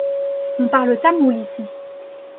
On parle tamoul ici.